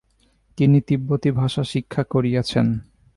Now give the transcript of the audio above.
তিনি তিব্বতী ভাষা শিক্ষা করিয়াছেন।